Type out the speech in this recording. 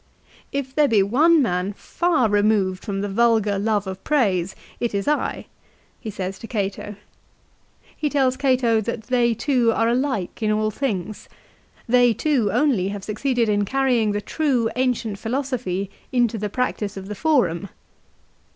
" If there be one man far removed from the vulgar love of praise, it is I," he says to Cato. 1 He tells Cato that they two are alike in all things. They two only have succeeded in carrying the true ancient philosophy into the practice of the Forum.